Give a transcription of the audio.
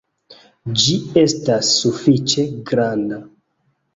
Ĝi estas sufiĉe granda